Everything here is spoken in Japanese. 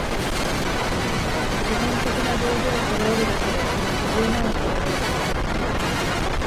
基本的な道具をそろえるだけで十万こえる